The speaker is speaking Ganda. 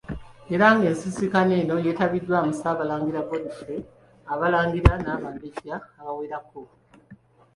Era ng' ensisinkano eno yeetabiddwamu Ssaabalangira Godfrey, Abalangira n'Abambejja abawerako.